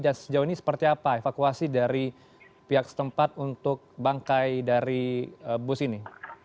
dan sejauh ini seperti apa evakuasi dari pihak setempat untuk bangkai dari bus ini